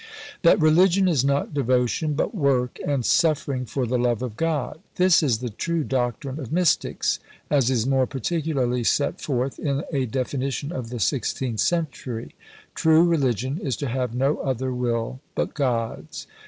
That Religion is not devotion, but work and suffering for the love of God; this is the true doctrine of Mystics as is more particularly set forth in a definition of the 16th century: "True religion is to have no other will but God's."